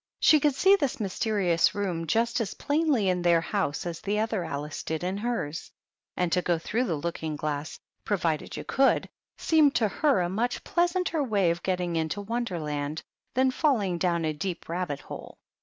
She could see this mysterious room just as plainly in their house as the other Alice did in hers ; and to go through the looking glass, pro vided you could, seemed to her a much pleasanter way of getting into Wonderland than falling down a deep rabbit hole.